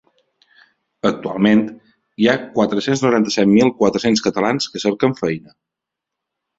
Actualment, hi ha quatre-cents noranta-set mil quatre-cents catalans que cerquen feina.